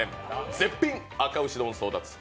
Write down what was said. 絶品あか牛丼争奪戦！